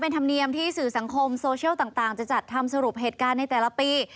เป็นธรรมเนียมที่สื่อสังคมโซเชียลต่างจะจัดทำสรุปเหตุการณ์ในแต่ละปี